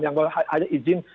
yang kalau ada izin